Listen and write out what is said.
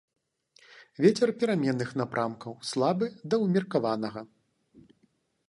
Вецер пераменных напрамкаў, слабы да ўмеркаванага.